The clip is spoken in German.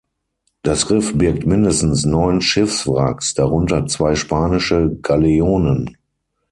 Das Riff birgt mindestens neun Schiffswracks, darunter zwei spanische Galeonen.